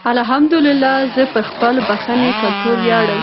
الحمدالله زه پر خپل پښنې کلتور ویاړم.